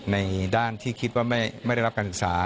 ในด้านที่คิดว่าไม่ได้รับการศึกษา